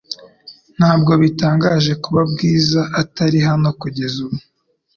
Ntabwo bitangaje kuba Bwiza atari hano kugeza ubu?